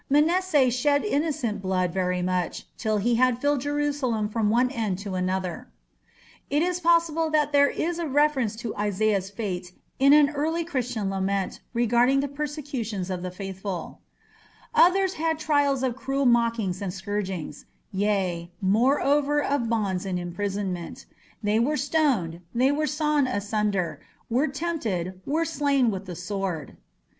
"Manasseh shed innocent blood very much, till he had filled Jerusalem from one end to another." It is possible that there is a reference to Isaiah's fate in an early Christian lament regarding the persecutions of the faithful: "Others had trial of cruel mockings and scourgings, yea, moreover of bonds and imprisonment: they were stoned, they were sawn asunder, were tempted, were slain with the sword".